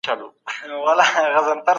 موږ نه غوښتل چي د غوړیو تولید ودرېږي.